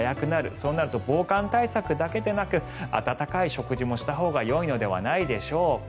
そうなると防寒対策だけでなく温かい食事もしたほうがよいのではないでしょうか。